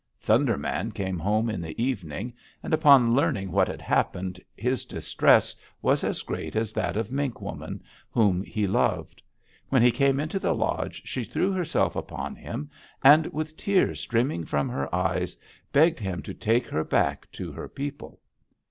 "Thunder Man came home in the evening, and upon learning what had happened, his distress was as great as that of Mink Woman, whom he loved. When he came into the lodge she threw herself upon him, and with tears streaming from her eyes, begged him to take her back to her people.